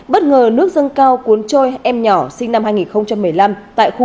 bất ngờ nước dâng cao cuốn trôi em nhỏ sinh năm hai nghìn một mươi năm tại khu suối thuộc thôn thèn phùng